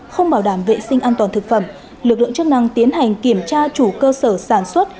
không bảo đảm vệ sinh an toàn thực phẩm lực lượng chức năng tiến hành kiểm tra chủ cơ sở sản xuất